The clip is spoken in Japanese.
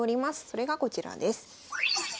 それがこちらです。